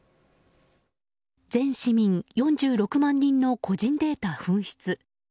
全市民４６万人の個人データ紛失。